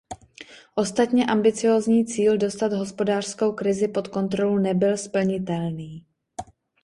Ostatně ambiciózní cíl dostat hospodářskou krizi pod kontrolu nebyl splnitelný.